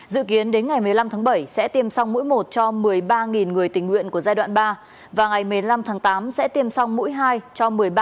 dự kiến đến ngày một mươi năm tháng bảy sẽ tiêm xong mỗi một cho một mươi ba người tình nguyện của giai đoạn ba và ngày một mươi năm tháng tám sẽ tiêm xong mỗi hai cho một mươi ba người tình nguyện của giai đoạn ba